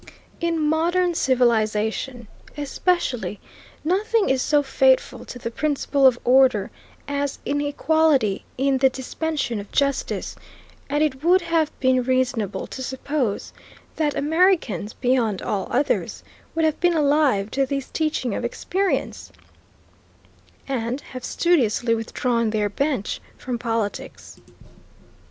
In modern civilization, especially, nothing is so fatal to the principle of order as inequality in the dispensation of justice, and it would have been reasonable to suppose that Americans, beyond all others, would have been alive to this teaching of experience, and have studiously withdrawn their bench from politics.